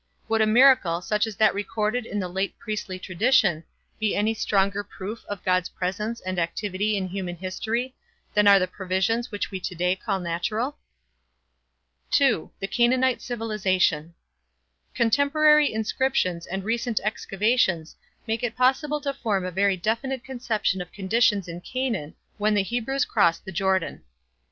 Would a miracle, such as that recorded in the late priestly tradition, be any stronger proof of God's presence and activity in human history than are the provisions which we to day call natural? II. THE CANAANITE CIVILIZATION. Contemporary inscriptions and recent excavations make it possible to form a very definite conception of conditions in Canaan when the Hebrews crossed the Jordan.